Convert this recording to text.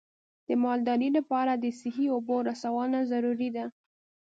د مالدارۍ لپاره د صحي اوبو رسونه ضروري ده.